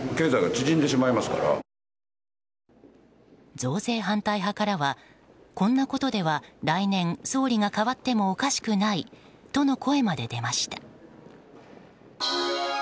増税反対派からはこんなことでは来年総理が代わってもおかしくないとの声まで出ました。